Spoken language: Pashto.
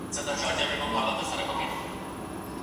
موهوبه ميرمن د چا قايم مقامه ده؟